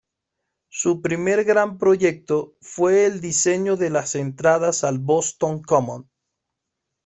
Su primer gran proyecto fue el diseño de las entradas al Boston Common.